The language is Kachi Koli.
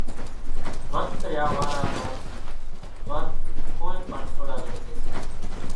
ورت ريا وارا نون ورت ڪونئين پڻ سوڙاوي ۿڳي سي۔